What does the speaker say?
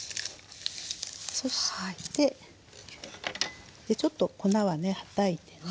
そしてちょっと粉はねはたいてね。